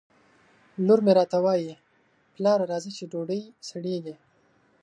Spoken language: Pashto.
لور مې راته وایي ! پلاره راځه چې ډوډۍ سړېږي